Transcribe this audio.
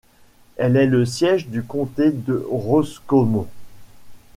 Elle est le siège du comté de Roscommon.